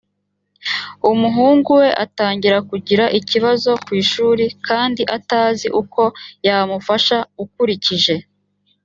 umuhungu we atangira kugira ibibazo ku ishuri kandi atazi uko yamufasha ukurikije